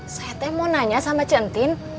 saya mau nanya sama centin